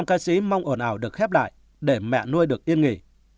năm ca sĩ mong ổn ảo được khép lại để mẹ nuôi được yên nghỉ